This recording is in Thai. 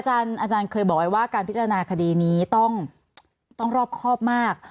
อาจารย์เคยบอกไว้ว่าการพิจารณาคดีนี้ต้องรอบครอบมาก